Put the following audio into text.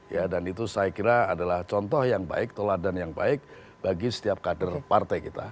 ya dan itu saya kira adalah contoh yang baik toladan yang baik bagi setiap kader partai kita